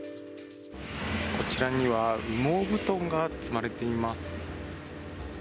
こちらには、羽毛布団が積まれています。